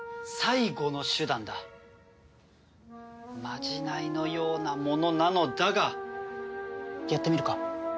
まじないのようなものなのだがやってみるか？